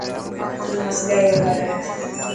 تون مصلي لو گھر هي.